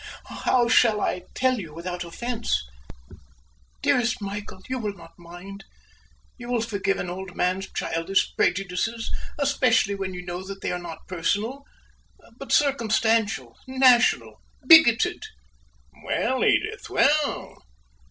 how shall I tell you without offense? But, dearest Michael you will not mind you will forgive an old man's childish prejudices, especially when you know they are not personal but circumstantial, national, bigoted." "Well, Edith! well?"